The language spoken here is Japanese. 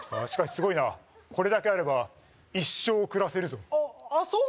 しかしすごいなこれだけあれば一生暮らせるぞあっ